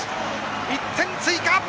１点追加！